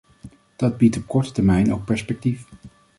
Dat biedt op korte termijn ook perspectief.